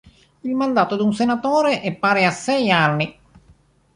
Il mandato di un senatore è pari a sei anni.